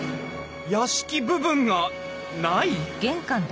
屋敷部分がない！？